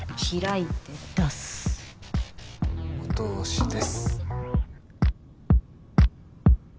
お通しです。